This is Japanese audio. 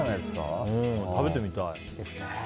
食べてみたい。